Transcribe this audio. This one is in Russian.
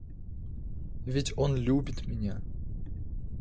Ведь он любит меня!